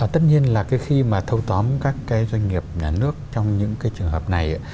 tất nhiên là khi mà thô tóm các doanh nghiệp nhà nước trong những trường hợp này